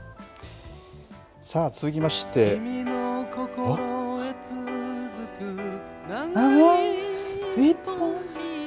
さあ、続きまして長い一本道。